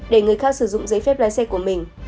để người khác sử dụng giấy phép lái xe của mình